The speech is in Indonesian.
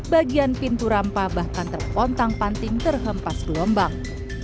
bagian pintu rampa bahkan terpontang panting terhempas gelombang